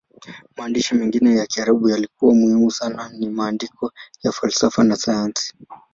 Maandishi mengine ya Kiarabu yaliyokuwa muhimu sana ni maandiko ya falsafa na sayansi.